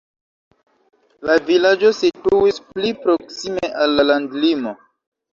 La vilaĝo situis pli proksime al la landlimo.